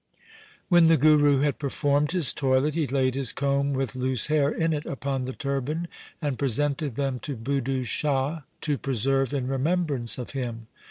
When the Guru had performed his toilet, he laid his comb with loose hair in it upon the turban and presented them to Budhu Shah to preserve in remembrance of him.